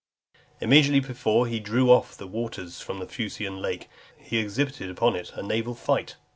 Immediately before he drew off the waters from the Fucine lake, he exhibited upon it a naval fight.